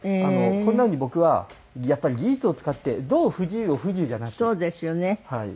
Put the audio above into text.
こんな風に僕はやっぱり技術を使ってどう不自由を不自由じゃなく。